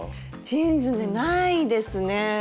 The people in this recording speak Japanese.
ジーンズねないですね。